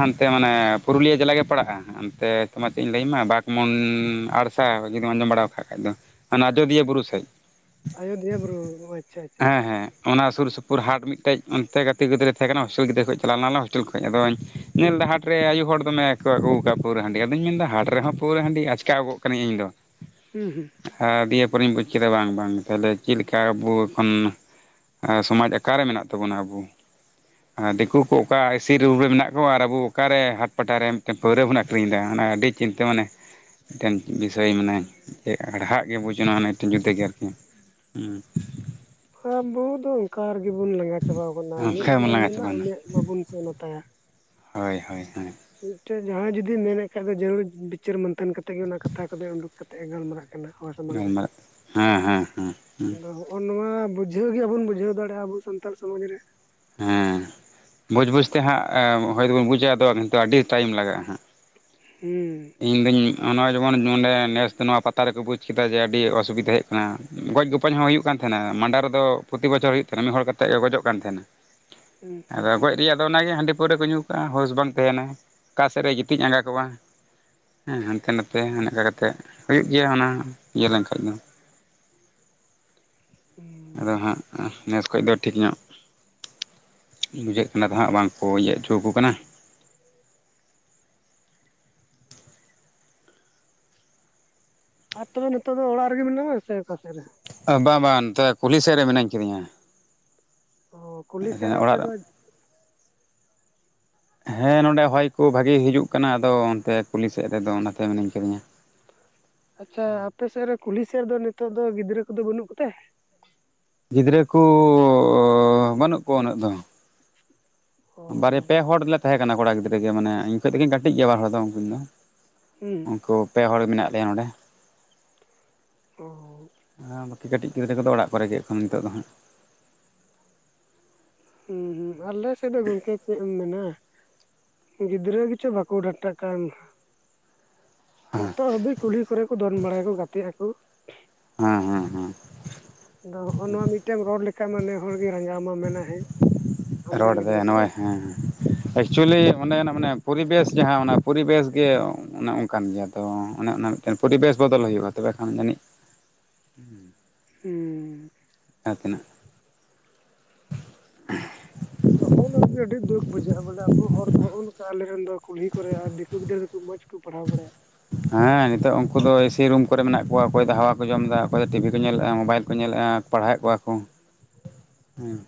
ᱦᱟᱱᱛᱮ ᱢᱟᱱᱮ ᱯᱩᱨᱩᱞᱤᱭᱟᱹ ᱡᱮᱞᱟ ᱜᱮ ᱯᱟᱲᱟᱜᱼᱟ ᱦᱟᱱᱛᱮ ᱛᱚᱢᱟ ᱪᱮᱫ ᱤᱧ ᱞᱟᱹᱭ ᱟᱢᱟ ᱵᱟ ᱢᱚᱱ ᱟᱲᱥᱟ ᱡᱩᱫᱤᱢ ᱟᱸᱡᱚᱢ ᱵᱟᱲᱟᱣᱟᱠᱟᱫ ᱠᱷᱟᱡ ᱫᱚ ᱚᱱᱟ ᱟᱡᱚᱫᱤᱭᱟᱹ ᱵᱩᱨᱩ ᱥᱮᱫ᱾ ᱟᱭᱚᱫᱷᱭᱟ ᱵᱩᱨᱩ ᱱᱚᱜᱼᱚ ᱦᱮᱸ ᱦᱮᱸ᱾ ᱚᱱᱟ ᱥᱩᱨ ᱥᱩᱯᱩᱨ ᱦᱟᱴ ᱢᱤᱫᱴᱮᱡ ᱚᱱᱛᱮ ᱜᱟᱛᱮ ᱜᱤᱫᱽᱨᱟᱹ ᱛᱟᱦᱮᱸ ᱠᱟᱱᱟ ᱦᱳᱥᱴᱮᱞ ᱜᱤᱫᱽᱨᱟᱹ ᱠᱷᱚᱱ ᱪᱟᱞᱚᱣ ᱞᱮᱱᱟ ᱞᱮ ᱦᱳᱥᱴᱮᱞ ᱠᱷᱚᱡ ᱟᱫᱚᱧ᱾ ᱧᱮᱞ ᱫᱟ ᱦᱩᱸ ᱦᱟᱴ ᱨᱮ ᱟᱭᱩ ᱦᱚᱲ ᱫᱚᱢᱮ᱾ ᱠᱚ ᱟᱹᱜᱩ ᱣᱟᱠᱟᱼᱟ ᱯᱟᱹᱣᱨᱟᱹ ᱦᱟᱺᱰᱤ ᱟᱫᱚᱧ ᱢᱮᱱᱫᱟ ᱦᱟᱴ ᱨᱮᱦᱚᱸ ᱯᱟᱹᱣᱨᱟᱹ ᱦᱟᱺᱰᱤ ᱟᱪᱠᱟᱣ ᱜᱚᱜ ᱠᱟᱹᱱᱤᱧ ᱤᱧᱫᱚ᱾ ᱦᱩᱸ ᱦᱩᱸ᱾ ᱟᱨ ᱫᱤᱭᱮ ᱯᱚᱨᱮᱧ ᱵᱩᱡ ᱠᱮᱫᱟ ᱵᱟᱝ ᱵᱟᱝ ᱛᱟᱦᱞᱮ᱾ ᱪᱮᱫ ᱞᱮᱠᱟ ᱟᱵᱚ ᱮᱠᱷᱚᱱ ᱥᱚᱢᱟᱡᱽ ᱟᱠᱟᱨᱮ ᱢᱮᱱᱟᱜ ᱛᱟᱵᱚᱱᱟ ᱟᱵᱚ᱾ ᱟᱨ ᱫᱤᱠᱩ ᱠᱚ ᱚᱠᱟ ᱤᱥᱤ ᱨᱩᱢ ᱨᱮ ᱢᱮᱱᱟᱜ ᱠᱚᱣᱟ ᱟᱨ ᱟᱵᱚ ᱚᱠᱟ ᱨᱮ ᱦᱟᱴ ᱯᱟᱴᱟ ᱨᱮ ᱢᱤᱫ ᱴᱮᱱ᱾ ᱯᱟᱹᱣᱨᱟᱹ ᱵᱚᱱ ᱟᱹᱠᱷᱨᱤᱧ ᱫᱟ ᱢᱟᱱᱮ ᱟᱹᱰᱤ ᱪᱤᱱᱛᱟᱹ ᱢᱟᱱᱮ ᱢᱤᱫᱴᱮᱱ ᱵᱤᱥᱚᱭ ᱢᱟᱱᱮ᱾ ᱟᱹᱲᱦᱟᱜ ᱜᱮ ᱵᱩᱡ ᱮᱱᱟ ᱢᱟᱱᱮ ᱢᱤᱫᱴᱮᱱ ᱡᱩᱫᱟ ᱜᱮ ᱟᱨᱠᱤ ᱦᱩᱸ᱾ ᱟᱵᱚ ᱫᱚ ᱚᱱᱠᱟ ᱨᱮᱜᱮ ᱵᱚᱱ ᱞᱟᱸᱜᱟ ᱪᱟᱵᱟᱣ ᱟᱠᱟᱱᱟ ᱚᱱᱠᱟ ᱢᱤᱫ ᱜᱮᱵᱚᱱ ᱦᱚᱲᱮ ᱞᱟᱸᱜᱟ ᱢᱮᱱᱟ ᱪᱟᱵᱟᱭᱮᱱᱟ ᱩᱱᱤᱭᱟᱜ ᱵᱟᱵᱚᱱ ᱥᱮᱱ ᱟᱛᱟᱭᱟ᱾ ᱦᱳᱭ ᱦᱳᱭ ᱦᱳᱭ᱾ ᱢᱤᱫᱴᱮᱱ ᱡᱟᱦᱟᱭ ᱡᱩᱫᱤ ᱢᱮᱱᱮᱜ ᱠᱷᱟᱭ ᱫᱚ ᱡᱟᱹᱨᱩᱲ ᱵᱤᱪᱟᱹᱨ ᱢᱟᱱᱛᱷᱟᱱ ᱠᱟᱛᱮ ᱜᱮ ᱚᱱᱟ ᱠᱟᱛᱷᱟ ᱠᱚᱫᱚᱭ ᱩᱰᱩᱠ ᱠᱟᱛᱮ ᱮ ᱜᱟᱞᱢᱟᱨᱟᱜ᱾ ᱦᱚᱲ ᱥᱟᱢᱟᱝ ᱨᱮ ᱜᱟᱞᱢᱟᱨᱟᱜ ᱦᱮᱸ ᱦᱮᱸ ᱦᱮᱸ ᱟᱫᱚ ᱦᱚᱸ ᱱᱚᱣᱟ ᱵᱩᱡᱷᱟᱹᱣ ᱜᱮ ᱵᱟᱵᱚᱱ ᱵᱩᱡᱷᱟᱹᱣ ᱫᱟᱲᱮᱭᱟᱜᱼᱟ ᱟᱵᱚ ᱥᱟᱱᱛᱟᱞ ᱥᱚᱢᱟᱡᱽ ᱨᱮ᱾ ᱦᱮᱸ ᱵᱩᱡᱽ ᱵᱩᱡᱽ ᱛᱮ ᱦᱟᱸᱜ ᱦᱚᱭ ᱛᱚᱵᱚᱱ ᱵᱩᱡᱟ ᱟᱫᱚ ᱠᱤᱱᱛᱩ ᱟᱹᱰᱤ ᱴᱟᱭᱤᱢ ᱞᱟᱜᱟᱜᱼᱟ ᱦᱟᱸᱜ᱾ ᱦᱩᱸ᱾ ᱤᱧᱫᱚᱧ ᱱᱚᱜᱼᱚᱭ ᱡᱮᱢᱚᱱ ᱱᱚᱸᱰᱮ ᱱᱮᱥ ᱫᱚ ᱱᱚᱣᱟ ᱯᱟᱛᱟ ᱨᱮᱠᱚ ᱵᱩᱡ ᱠᱮᱫᱟ ᱡᱮ ᱟᱹᱰᱤ ᱚᱥᱩᱵᱤᱫᱷᱟ ᱦᱮᱡ᱾ ᱜᱚᱡ ᱜᱚᱯᱚᱡ ᱦᱚᱸ ᱦᱩᱭᱩᱜ ᱠᱟᱱ ᱛᱟᱦᱮᱱᱟ ᱢᱟᱸᱰᱟᱨ ᱫᱚ ᱯᱨᱚᱛᱤ ᱵᱚᱪᱷᱚᱨ ᱦᱩᱭᱩᱜ ᱛᱟᱦᱮᱱᱟ ᱢᱤᱫ ᱦᱚᱲ ᱠᱟᱛᱮ ᱠᱚ ᱜᱚᱡᱚᱜ ᱠᱟᱱ ᱛᱟᱦᱮᱱᱟ᱾ ᱦᱩᱸ ᱦᱩᱸ ᱟᱫᱚ ᱜᱚᱡ ᱨᱮᱭᱟᱜ᱾ ᱟᱫᱚ ᱚᱱᱟᱜᱮ ᱦᱟᱺᱰᱤ ᱯᱟᱹᱣᱨᱟᱹ ᱠᱚ ᱧᱩ ᱠᱟᱜᱼᱟ ᱦᱳᱥ ᱵᱟᱝ ᱛᱟᱦᱮᱱᱟ ᱚᱠᱟᱥᱮᱫ ᱨᱮᱭ ᱜᱤᱛᱤᱡ ᱟᱸᱜᱟ ᱠᱚᱜᱼᱟ᱾ ᱦᱮᱸ ᱦᱟᱱᱛᱮ ᱱᱟᱛᱮ ᱚᱱᱮ ᱚᱱᱠᱟ ᱠᱟᱛᱮ ᱦᱩᱭᱩᱜ ᱜᱮᱭᱟ ᱚᱱᱟ ᱤᱭᱟᱹ ᱞᱮᱱᱠᱷᱟᱭ ᱫᱚ᱾ ᱦᱩᱸ ᱟᱫᱚ ᱦᱟᱸᱜ᱾ ᱱᱮᱥ ᱠᱷᱚᱭ ᱫᱚ ᱴᱷᱤᱠ ᱧᱚᱜ ᱵᱩᱡᱷᱟᱹᱜ ᱠᱟᱱᱟ ᱟᱫᱚᱦᱟᱜ ᱵᱟᱝᱠᱚ ᱤᱭᱟᱹ ᱚᱪᱚ ᱠᱚ ᱠᱟᱱᱟ᱾ ᱟᱨ ᱛᱚᱵᱮ ᱱᱤᱛᱚᱜ ᱫᱚ ᱚᱲᱟᱜ ᱨᱮᱜᱮ ᱢᱮᱱᱟᱢᱟ ᱥᱮ ᱚᱠᱟ ᱥᱮᱫ ᱨᱮ? ᱵᱟ ᱵᱟ ᱱᱚᱛᱮ ᱠᱩᱞᱦᱤ ᱥᱮᱫ ᱨᱮ ᱢᱤᱱᱟᱹᱧ ᱠᱟᱫᱤᱧᱟ᱾ ᱚᱸ ᱠᱩᱞᱦᱤ ᱥᱮᱨᱮ ᱚᱲᱟᱜ ᱨᱮ ᱟᱯᱮᱫᱚ᱾ ᱦᱮᱸ ᱱᱚᱸᱰᱮ ᱦᱚᱭ ᱠᱚ ᱵᱷᱟᱜᱤ ᱦᱤᱡᱩᱜ ᱠᱟᱱᱟ ᱟᱫᱚ ᱚᱱᱛᱮ ᱠᱩᱞᱤ ᱥᱮᱫ ᱨᱮᱫᱚ ᱚᱱᱟᱛᱮ ᱢᱤᱱᱟᱹᱧ ᱠᱟᱫᱤᱧᱟ᱾ ᱟᱪᱷᱟ ᱟᱯᱮ ᱥᱮᱫ ᱨᱮ ᱠᱩᱞᱦᱤ ᱥᱮᱫ ᱨᱮᱫᱚ ᱱᱤᱛᱚᱜ ᱫᱚ ᱜᱤᱫᱽᱨᱟᱹ ᱠᱚᱫᱚ ᱵᱟᱹᱱᱩᱜ ᱠᱚᱛᱮ? ᱜᱤᱫᱽᱨᱟᱹ ᱠᱚᱻ ᱵᱟᱹᱱᱩᱜ ᱠᱚᱣᱟ ᱩᱱᱟᱹᱜ ᱫᱚ᱾ ᱵᱟᱨᱮ ᱚ ᱯᱮ ᱦᱚᱲᱞᱮ ᱛᱟᱦᱮᱸ ᱠᱟᱱᱟ ᱠᱚᱲᱟ ᱜᱤᱫᱽᱨᱟᱹ ᱜᱮ ᱢᱟᱱᱮ ᱤᱧ ᱠᱷᱚᱡ ᱫᱚᱜᱤᱧ ᱠᱟᱹᱴᱤᱡ ᱜᱮᱭᱟ ᱵᱟᱨ ᱦᱚᱲ ᱫᱚ ᱩᱱᱠᱤᱱ ᱫᱚ᱾ ᱦᱩᱸ᱾ ᱩᱱᱠᱩ ᱯᱮ ᱦᱚᱲ ᱢᱮᱱᱟᱜ ᱞᱮᱭᱟ ᱱᱚᱸᱰᱮ᱾ ᱚᱻ ᱦᱮᱸ ᱵᱟᱹᱠᱤ ᱠᱟᱹᱴᱤᱡ ᱜᱤᱫᱽᱨᱟᱹ ᱠᱚᱫᱚ ᱚᱲᱟᱜ ᱠᱚᱨᱮᱜᱮ ᱱᱤᱛᱚᱜ ᱫᱚ ᱦᱟᱸᱜ᱾ ᱦᱩᱸ ᱦᱩᱸ ᱟᱞᱮ ᱥᱮᱫ ᱫᱚ ᱜᱚᱝᱠᱮ ᱪᱮᱫ ᱮᱢ ᱢᱮᱱᱟ᱾ ᱜᱤᱫᱽᱨᱟᱹ ᱜᱮᱪᱚ ᱵᱟᱠᱚ ᱰᱟᱴᱟ ᱠᱟᱱ ᱱᱤᱛᱚᱜ ᱦᱟᱹᱵᱤᱡ ᱠᱩᱲᱦᱤ ᱠᱚᱨᱮ ᱠᱚ᱾ ᱫᱚᱱ ᱵᱟᱲᱟᱭᱟ ᱠᱚ ᱜᱟᱛᱮᱜ ᱟᱠᱚ᱾ ᱦᱮᱸ ᱦᱮᱸ ᱦᱮᱸ᱾ ᱟᱫᱚ ᱦᱚᱜᱼᱚ ᱱᱚᱣᱟ ᱢᱤᱫᱴᱮ ᱨᱚᱲ ᱞᱮᱠᱷᱟ ᱢᱟ ᱱᱮ ᱦᱚᱲᱜᱮᱭ ᱨᱟᱸᱜᱟᱣ ᱟᱢᱟ ᱢᱮᱱᱟ ᱦᱮᱸ᱾ ᱨᱚᱲ ᱟᱢᱨᱮᱱ ᱜᱤᱫᱽᱨᱟᱹ ᱫᱚᱭ ᱠᱟᱱᱟᱭ ᱱᱚᱭᱟᱜ ᱦᱮᱸ᱾ ᱮᱠᱪᱩᱭᱮᱞᱤ ᱚᱸᱱᱮᱱᱟᱜ ᱢᱟᱱᱮ ᱯᱚᱨᱤᱵᱮᱥ ᱡᱟᱦᱟᱸ ᱚᱱᱟ ᱯᱚᱨᱤᱵᱮᱥ ᱜᱮ ᱚᱱᱮ ᱚᱱᱠᱟᱱ ᱜᱮᱭᱟ ᱛᱚ ᱚᱱᱮ ᱚᱱᱟ ᱯᱚᱨᱤᱵᱮᱥ ᱵᱚᱫᱚᱞ ᱦᱩᱭᱩᱜᱼᱟ ᱛᱚᱵᱮ ᱠᱷᱟᱱ ᱡᱟᱹᱱᱤᱡ ᱦᱮᱸ ᱚ ᱡᱟᱦᱟᱸ ᱛᱮᱱᱟᱜ ᱟᱫᱚ ᱱᱚᱜᱼᱚ ᱱᱚᱣᱟ ᱜᱮ ᱟᱹᱰᱤ ᱫᱩᱠ ᱱᱚᱱᱟ ᱜᱮ ᱵᱩᱡᱷᱟᱹᱜᱼᱟ ᱵᱚᱞᱮ ᱟᱵᱚ ᱦᱚᱲ ᱫᱚ ᱱᱚᱜᱼ ᱱᱚᱝᱠᱟ ᱟᱞᱨᱮᱱ ᱫᱚ ᱠᱩᱞᱦᱤ ᱠᱚᱨᱮ ᱫ ᱩᱱ ᱜᱤᱫᱨᱟᱹ ᱠᱚ ᱢᱚᱡᱽ ᱠᱚ ᱯᱟᱲᱦᱟᱣ ᱵᱟᱲᱟᱭᱟ ᱦᱮᱸ ᱱᱤᱛᱚᱜ ᱩᱱᱠᱩ ᱫᱚ ᱮᱥᱤ ᱨᱩᱢ ᱠᱚᱨᱮ ᱦᱮ ᱱᱤᱭᱟ ᱛᱟ ᱫᱚ ᱤᱥᱤ ᱨᱩᱢ ᱠᱚᱨᱮ ᱢᱮᱱᱟᱜ ᱠᱚᱣᱟ ᱚᱠᱚᱭ ᱫᱚ ᱦᱟᱣᱟ ᱠᱚ ᱡᱚᱢᱫᱟ ᱚᱠᱚᱭ ᱫᱚ ᱴᱤᱵᱷᱤ ᱠᱚ ᱧᱮᱞᱮᱫᱼᱟ ᱢᱳᱵᱟᱭᱤᱞ ᱠᱚ ᱧᱮᱞᱮᱫᱼᱟ ᱯᱟᱲᱦᱟᱣᱮᱫ ᱠᱚᱣᱟ ᱠᱚ ᱦᱮᱸ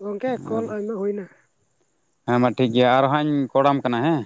ᱜᱚᱝᱠᱮ ᱠᱚᱞ ᱟᱭᱢᱟ ᱦᱩᱭᱱᱟ ᱦᱮᱸ ᱢᱟ ᱴᱷᱤᱠ ᱜᱮᱭᱟ ᱟᱨ ᱦᱟᱸᱜ ᱤᱧ ᱠᱚᱲᱟᱢ ᱠᱟᱱᱟ ᱦᱮᱸ